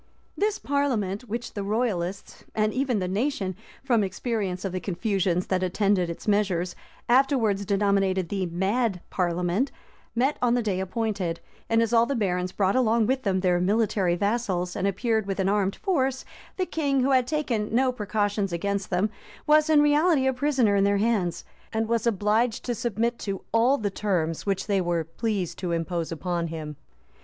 This parliament, which the royalists, and even the nation, from experience of the confusions that attended its measures, afterwards denominated the "mad parliament," met on the day appointed; and as all the barons brought along with them their military vassals, and appeared with an armed force, the king, who had taken no precautions against them, was in reality a prisoner in their hands, and was obliged to submit to all the terms which they were pleased to impose upon him.